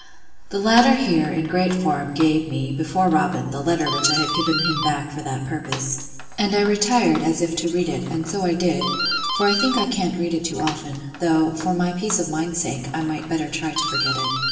The latter here, in great form, gave me, before Robin, the letter which I had given him back for that purpose. And I retired, as if to read it; and so I did; for I think I can't read it too often; though, for my peace of mind's sake, I might better try to forget it.